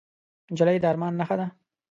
نجلۍ د ارمان نښه ده.